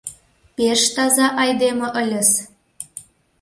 — Пеш таза айдеме ыльыс.